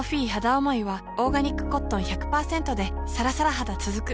おもいはオーガニックコットン １００％ でさらさら肌つづく